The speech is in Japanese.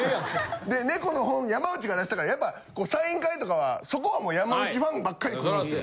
猫の本山内が出したからやっぱサイン会とかはそこはもう山内ファンばっかり来るんですよ。